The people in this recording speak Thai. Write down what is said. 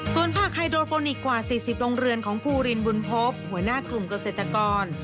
ส่วนภาคไฮโดรโปนิกกว่า๔๐โรงเรือนของภูรินบุญภพหัวหน้ากลุ่มเกษตรกร